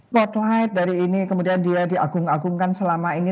pot light dari ini kemudian dia diagung agungkan selama ini